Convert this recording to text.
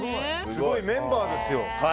すごいメンバーですよ。